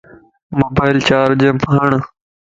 موبائل چارج مَ ھڙ